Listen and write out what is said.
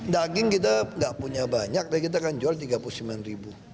daging kita tidak punya banyak kita kan jual rp tiga puluh sembilan